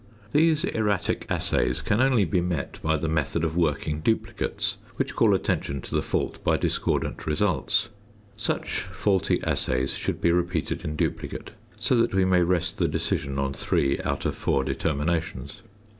These erratic assays can only be met by the method of working duplicates, which call attention to the fault by discordant results. Such faulty assays should be repeated in duplicate, so that we may rest the decision on three out of four determinations.